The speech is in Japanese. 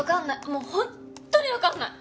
もう本当にわかんない！